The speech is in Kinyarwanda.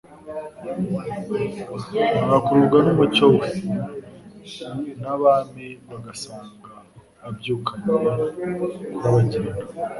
"bagakururwa n'umucyo we n'abami bagasanga abyukanye kurabagirana."